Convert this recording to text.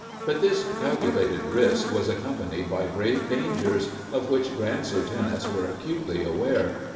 But this calculated risk was accompanied by grave dangers, of which Grant's lieutenants were acutely aware.